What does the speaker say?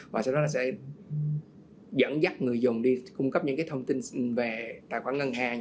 và sau đó là sẽ dẫn dắt người dùng đi cung cấp những cái thông tin về tài khoản ngân hàng